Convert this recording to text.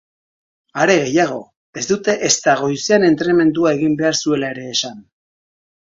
Are gehiago, ez dute ezta goizean entrenamendua egin behar zuela ere esan.